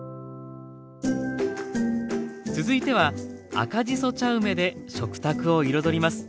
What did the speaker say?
続いては赤じそ茶梅で食卓を彩ります。